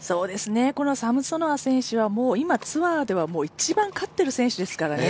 このサムソノワ選手は今、ツアーでは一番勝っている選手ですからね。